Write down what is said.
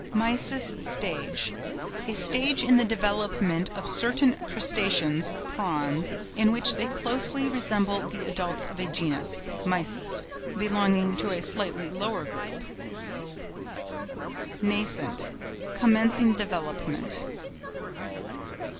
MYSIS STAGE.—A stage in the development of certain crustaceans (prawns), in which they closely resemble the adults of a genus (Mysis) belonging to a slightly lower group. NASCENT.—Commencing development.